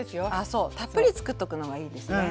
そうたっぷり作っとくのがいいですね。